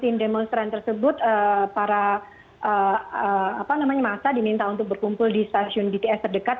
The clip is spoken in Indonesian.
tim demonstran tersebut para masa diminta untuk berkumpul di stasiun bts terdekat